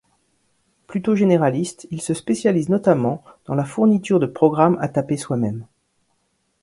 Plutôt généraliste, il se spécialise notamment dans la fourniture de programmes à taper soi-même.